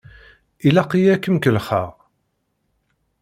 Ilaq-iyi ad kem-kellexeɣ!